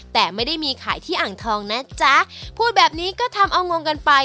แต่ไม่ได้มีขายที่อ่างทองนะจ๊ะพูดแบบนี้ก็ทำเอางงกันไป